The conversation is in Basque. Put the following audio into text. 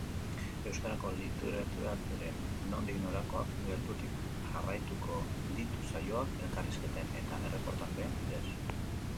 Euskarazko literaturaren nondik norakoak gertutik jarraituko ditu saioak, elkarrizketen eta erreportajeen bidez.